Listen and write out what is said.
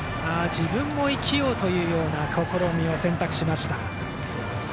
自分も生きようという試みを選択しました。